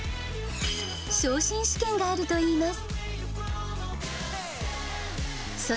昇進試験があるといいます。